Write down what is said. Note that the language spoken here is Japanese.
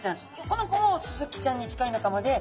この子もスズキちゃんに近い仲間で。